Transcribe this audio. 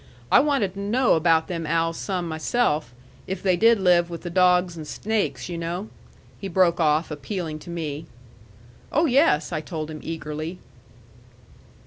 I wanted to know about them owls some myself if they did live with the dogs and snakes, yu' know," he broke off, appealing to me. "Oh, yes," I told him eagerly.